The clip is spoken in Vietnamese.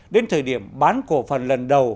đến thời điểm bán cổ phần lần đầu